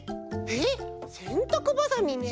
えっせんたくばさみね。